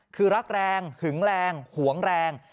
คือรักแรงหึงแรงหวงแรง